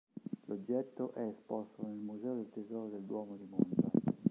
L'oggetto è esposto nel Museo del Tesoro del Duomo di Monza.